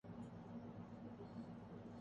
ایسی کیفیت کا علاج کیا ہے؟